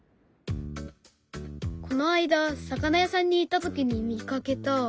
この間魚屋さんに行った時に見かけた。